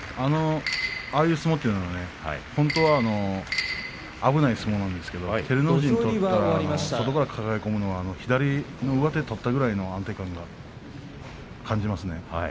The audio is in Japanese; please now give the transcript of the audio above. ああいう相撲は本当は危ない相撲なんですけれども照ノ富士は外から抱え込むのが左上手を取ったぐらいの安定感に感じますね。